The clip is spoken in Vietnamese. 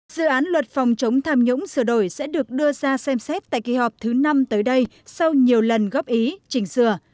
dự án luật phòng chống tham nhũng sửa đổi sẽ được đưa ra xem xét tại kỳ họp thứ năm tới đây sau nhiều lần góp ý chỉnh sửa